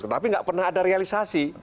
tapi nggak pernah ada realisasi